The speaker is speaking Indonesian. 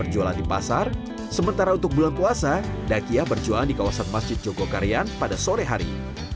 jualan di pasar sementara untuk bulan puasa dakia berjualan di kawasan masjid jogokaryan pada sore hari